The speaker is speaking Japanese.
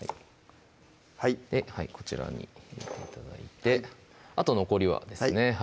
はいはいこちらに入れて頂いてあと残りはですね